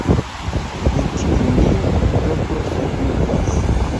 Int junio-oktobro ne pluvas.